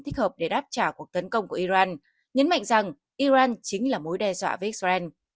thích hợp để đáp trả cuộc tấn công của iran nhấn mạnh rằng iran chính là mối đe dọa với israel